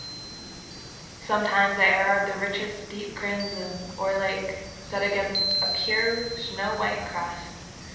Sometimes they are of the richest deep crimson or lake, set against a pure snow white crust.